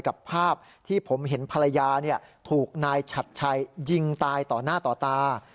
กับภาพที่ผมเห็นภรรยาถูกนายฉัดชัยยิงตายต่อหน้าต่อตา